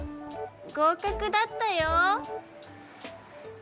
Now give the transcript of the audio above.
合格だったよ。